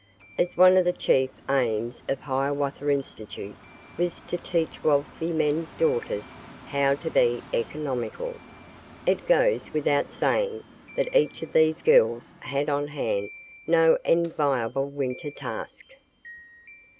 As one of the chief aims of Hiawatha Institute was to teach wealthy men's daughters how to be economical, it goes without saying that each of these girls had on hand no enviable Winter Task.